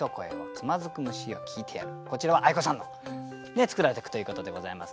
こちらは相子さんの作られた句ということでございますね。